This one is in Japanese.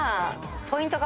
ポイント